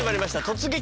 「突撃！